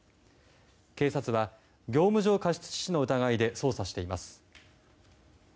警察は、業務上過失致死の疑いで捜査しています。